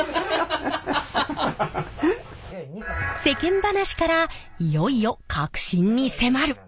世間話からいよいよ核心に迫る！